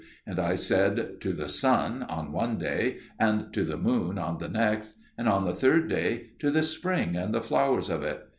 And I said, "To the sun" on one day, and "To the moon" on the next, and on the third day, "To the spring and the flowers of it."